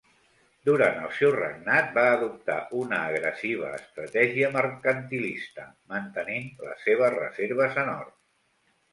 Durant el seu regnat, va adoptar una agressiva estratègia mercantilista, mantenint les seves reserves en or.